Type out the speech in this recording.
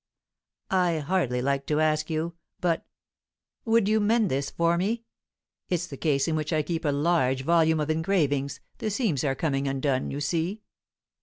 "I hardly like to ask you, but would you mend this for me? It's the case in which I keep a large volume of engravings; the seams are coming undone, you see."